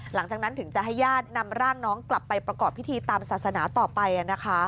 หลังจากนั้นถึงจะให้ญาตินำร่างน้องกลับไปประกอบพิธีตามศาสนาต่อไป